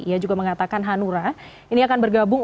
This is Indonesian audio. ia juga mengatakan hanura ini akan bergabung